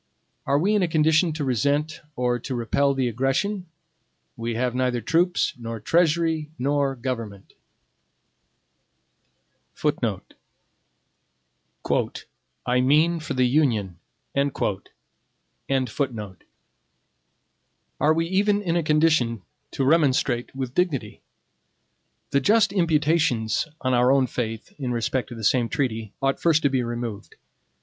Are we in a condition to resent or to repel the aggression? We have neither troops, nor treasury, nor government.(1) Are we even in a condition to remonstrate with dignity? The just imputations on our own faith, in respect to the same treaty, ought first to be removed.